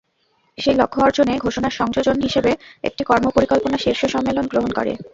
সেই লক্ষ্য অর্জনে ঘোষণার সংযোজন হিসেবে একটি কর্মপরিকল্পনা শীর্ষ সম্মেলন গ্রহণ করে।